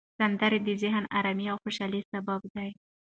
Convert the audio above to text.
سندرې د ذهني آرامۍ او خوشحالۍ سبب دي.